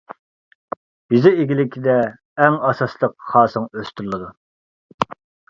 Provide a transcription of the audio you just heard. يېزا ئىگىلىكىدە ئەڭ ئاساسلىق خاسىڭ ئۆستۈرۈلىدۇ.